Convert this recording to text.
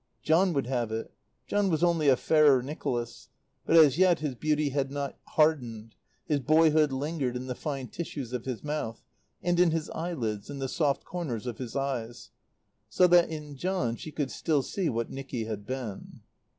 John would have it. John was only a fairer Nicholas; but as yet his beauty had not hardened; his boyhood lingered in the fine tissues of his mouth, and in his eyelids and the soft corners of his eyes; so that in John she could still see what Nicky had been.